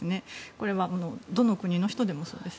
これはどの国の人でもそうです。